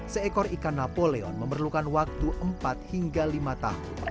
seekor ikan napoleon memerlukan waktu empat hingga lima tahun